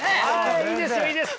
いいですよいいです。